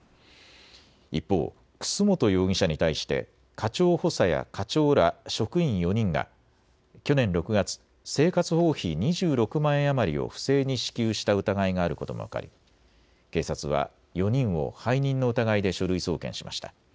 一方、楠本容疑者に対して課長補佐や課長ら職員４人が去年６月、生活保護費２６万円余りを不正に支給した疑いがあることも分かり警察は４人を背任の疑いで書類送検しました。